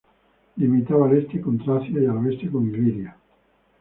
Limitaba al este con Tracia y al oeste con Iliria.